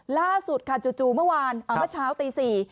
ล่าสุดค่ะจู่เมื่อวานเอาเมื่อเช้าตี๔